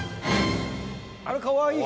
あらかわいい。